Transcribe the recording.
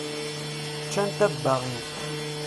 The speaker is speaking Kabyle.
Ččant abbaɣ-iw.